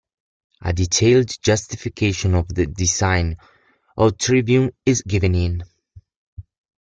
A detailed justification of the design of Trivium is given in.